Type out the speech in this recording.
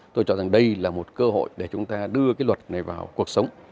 tôi chọn rằng đây là một cơ hội để chúng ta đưa cái luật này vào cuộc sống